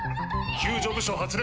救助部署発令。